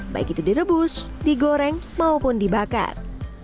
baik itu direbus digoreng maupun dibakar